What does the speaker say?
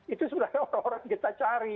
itu sebenarnya orang orang kita cari